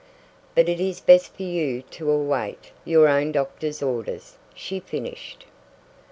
"But it is best for you to await your own doctor's orders," she finished.